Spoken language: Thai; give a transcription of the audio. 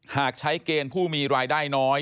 หากใช้เกณฑ์ผู้มีรายได้น้อย